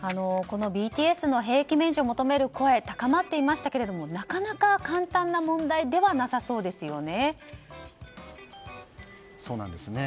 ＢＴＳの兵役免除を求める声高まっていましたがなかなか簡単な問題ではなさそうですよね。